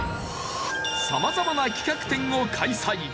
様々な企画展を開催。